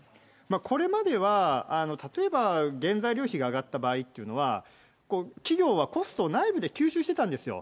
これまでは、例えば、原材料費が上がった場合っていうのは、企業はコストを内部で吸収してたんですよ。